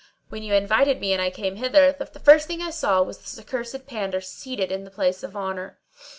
When you invited me and I came hither, the first thing I saw was this accursed pander seated in the place of honour.